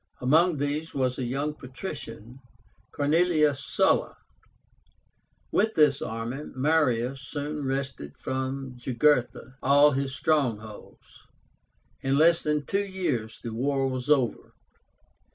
Among these was a young patrician, CORNELIUS SULLA. With this army Marius soon wrested from Jugurtha all his strongholds. In less than two years the war was over.